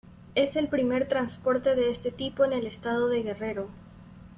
Es el primer transporte de este tipo en el estado de Guerrero.